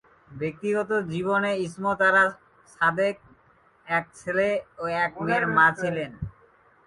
ব্যক্তিগত জীবনে ইসমত আরা সাদেক এক ছেলে ও এক মেয়ের মা ছিলেন।